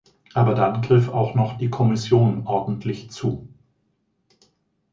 Aber dann griff auch noch die Kommission ordentlich zu.